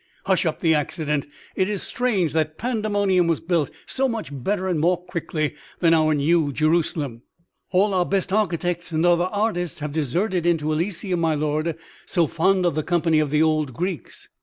Hush up the accident. It is strange that Pandemonium was built so much better and more quickly than our New Jerusalem!" "All our best architects and other artists have deserted into Elysium, my lord; so fond of the company of the old Greeks."